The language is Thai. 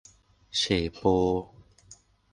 เฉโป ?